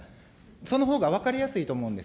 そのほうが分かりやすいと思うんです。